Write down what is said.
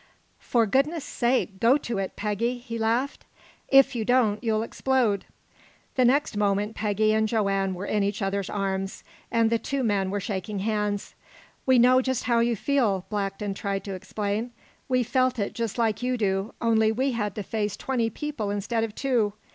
"For goodness sake go to it, Peggy!" he laughed. "If you don't you'll explode!" The next moment Peggy and Joanne were in each other's arms, and the two men were shaking hands. "We know just how you feel," Blackton tried to explain. "We felt just like you do, only we had to face twenty people instead of two.